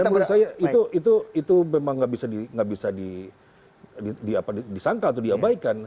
dan menurut saya itu itu itu itu memang gak bisa di gak bisa di di apa disangkal atau diabaikan